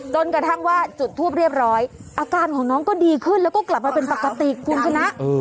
จนกระทั่งว่าจุดทูปเรียบร้อยอาการของน้องก็ดีขึ้นแล้วก็กลับมาเป็นปกติคุณชนะ